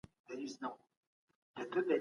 خلګ د نويو مهارتونو په زده کړه بوخت دي.